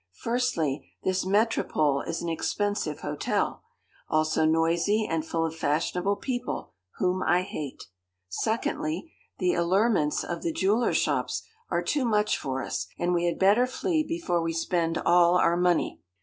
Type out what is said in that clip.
Firstly, this Metropole is an expensive hotel; also noisy and full of fashionable people, whom I hate. Secondly, the allurements of the jewellers' shops are too much for us, and we had better flee before we spend all our money.